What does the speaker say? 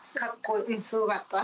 すごかった？